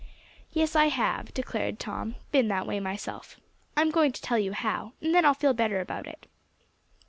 "Yes, I have," declared Tom, "been that way myself. I'm going to tell you how, and then I'll feel better about it."